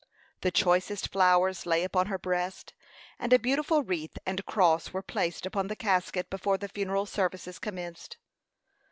The choicest flowers lay upon her breast, and a beautiful wreath and cross were placed upon the casket before the funeral services commenced.